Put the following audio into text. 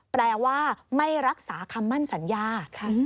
แปลว่าไม่รักษาคำมั่นสัญญา